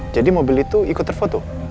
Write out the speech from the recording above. jadi mobil itu ikut terfoto